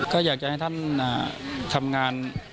ก็อยากจะให้ท่านทำงาน